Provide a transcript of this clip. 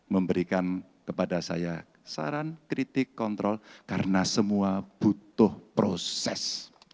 memberikan kepada saya saran kritik kontrol karena semua butuh proses